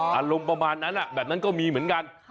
อารมณ์ประมาณนั้นแบบนั้นก็มีเหมือนกัน